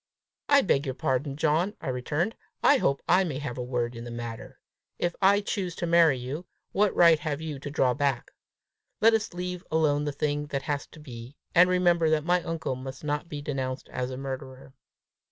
"I beg your pardon, John!" I returned; "I hope I may have a word in the matter! If I choose to marry you, what right have you to draw back? Let us leave alone the thing that has to be, and remember that my uncle must not be denounced as a murderer!